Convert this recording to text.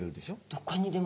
どこにでも。